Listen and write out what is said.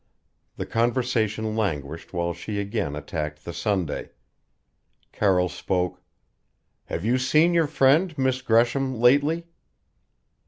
The conversation languished while she again attacked the sundae. Carroll spoke: "Have you seen your friend, Miss Gresham, lately?"